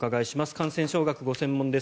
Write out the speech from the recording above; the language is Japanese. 感染症学がご専門です